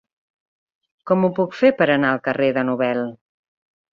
Com ho puc fer per anar al carrer de Nobel?